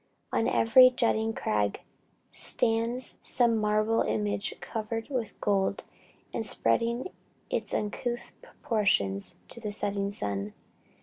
"On every jutting crag stands some marble image covered with gold, and spreading its uncouth proportions to the setting sun.